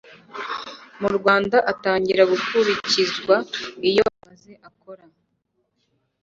mu rwanda atangira gukurikizwa iyo amaze akora